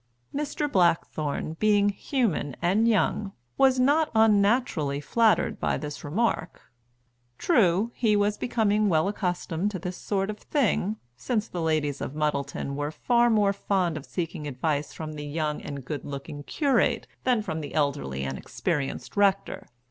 Mr. Blackthorne, being human and young, was not unnaturally flattered by this remark. True, he was becoming well accustomed to this sort of thing, since the ladies of Muddleton were far more fond of seeking advice from the young and good looking curate than from the elderly and experienced rector.